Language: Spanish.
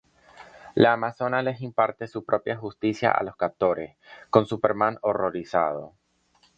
La Amazona les imparte su propia justicia a los captores, con Superman horrorizado.